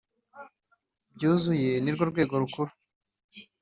byuzuye nirwo rwego rukuru